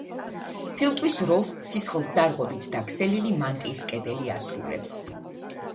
ფილტვის როლს სისხლძარღვებით დაქსელილი მანტიის კედელი ასრულებს.